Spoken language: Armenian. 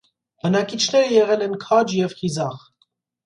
Բնակիչները եղել են քաջ և խիզախ։